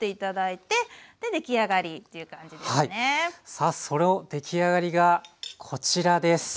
さあその出来上がりがこちらです。